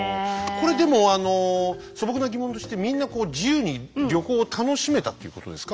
これでもあの素朴な疑問としてみんなこう自由に旅行を楽しめたっていうことですか？